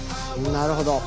なるほど。